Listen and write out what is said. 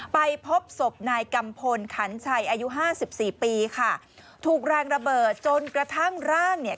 ไปพบศพนายกัมพลขันชัยอายุห้าสิบสี่ปีค่ะถูกแรงระเบิดจนกระทั่งร่างเนี่ย